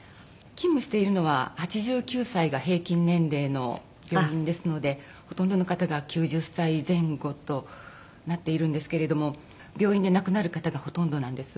勤務しているのは８９歳が平均年齢の病院ですのでほとんどの方が９０歳前後となっているんですけれども病院で亡くなる方がほとんどなんです。